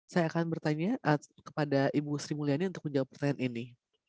saya akan bertanya kepada ibu sri mulyani untuk menjawab pertanyaan ini